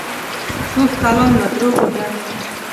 کوږ کلام له دروغو ډک وي